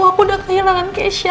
aku sudah kehilangan keisha